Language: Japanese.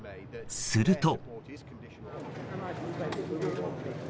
すると。